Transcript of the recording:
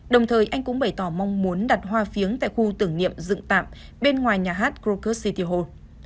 đồng thời anh cũng bày tỏ mong muốn đặt hoa phiếng tại khu tưởng niệm dựng tạm bên ngoài nhà hát krokus city hall